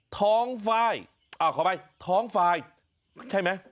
ท้องฝายอ่ะขอบประโยชน์ท้องฝายใช่ไหม